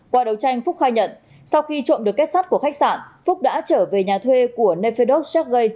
qua đầu tranh phúc khai nhận sau khi trộm được kết sắt của khách sạn phúc đã trở về nhà thuê của nefedok shekgay